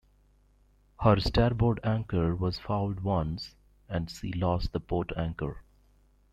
Her starboard anchor was fouled once, and she lost the port anchor.